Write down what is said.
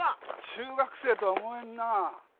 中学生とは思えんなあ。